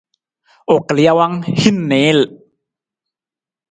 U kal jawang, hin niil.